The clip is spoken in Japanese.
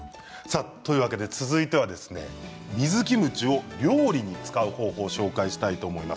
続いては水キムチを料理に使う方法を紹介したいと思います。